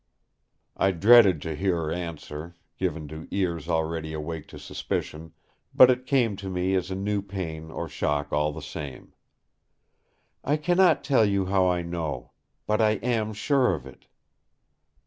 I dreaded to hear her answer, given to ears already awake to suspicion; but it came to me as a new pain or shock all the same: "I cannot tell you how I know. But I am sure of it!"